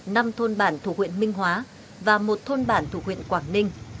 năm thôn bản thuộc huyện minh hóa và một thôn bản thuộc huyện quảng ninh